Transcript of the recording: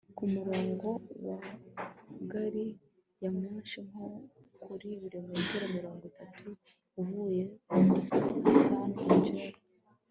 ku murongo wa gari ya moshi nko ku bilometero mirongo itatu uvuye i san angelo